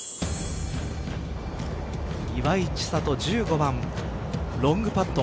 岩井千怜１５番ロングパット